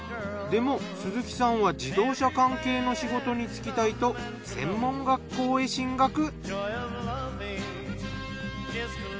でも鈴木さんは自動車関係の仕事に就きたいと専門学校へ進学。